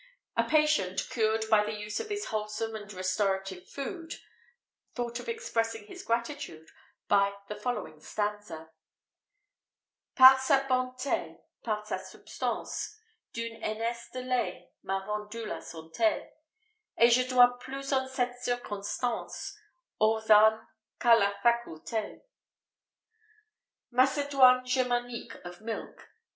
A patient, cured by the use of this wholesome and restorative food, thought of expressing his gratitude by the following stanza: "Par sa bonté, par sa substance D'une ânesse le lait m'a rendu la santé; Et je dois plus en cette circonstance, Aux ânes qu'à la faculté." _Macédoine Germanique of Milk.